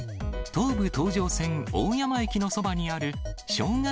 東武東上線大山駅のそばにあるショウガ